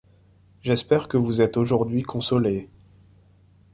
J’espère que vous êtes aujourd’hui consolée.